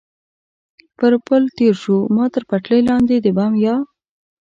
پر پل تېر شو، ما تر پټلۍ لاندې د بم یا.